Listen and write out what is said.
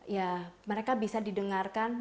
ya mereka bisa didengarkan